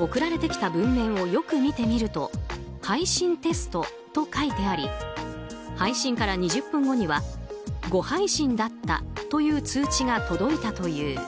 送られてきた文面をよく見てみると配信テストと書いてあり配信から２０分後には誤配信だったという通知が届いたという。